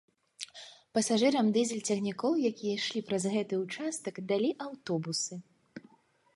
Пасажырам дызель-цягнікоў, якія ішлі праз гэты ўчастак, далі аўтобусы.